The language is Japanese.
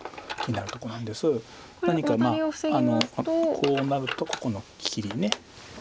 こうなるとここの切り。